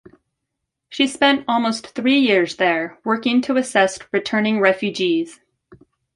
She spent almost three years there, working to assist returning refugees.